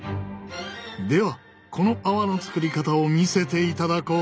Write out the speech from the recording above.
ではこの泡の作り方を見せていただこう。